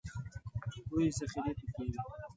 لویې ذخیرې پکې وې.